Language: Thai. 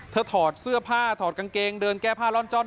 ถอดเสื้อผ้าถอดกางเกงเดินแก้ผ้าร่อนจ้อน